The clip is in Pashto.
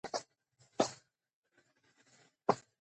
ژوند د حقیقت او خیال تر منځ روان وي.